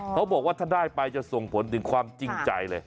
เขาบอกว่าถ้าได้ไปจะส่งผลถึงความจริงใจเลย